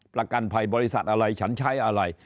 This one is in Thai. ประกันภัยบริษัทอะไรฉันใช้อะไร